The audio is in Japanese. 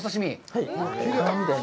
はい。